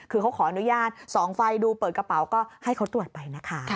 คือเขาขออนุญาตส่องไฟดูเปิดกระเป๋าก็ให้เขาตรวจไปนะคะ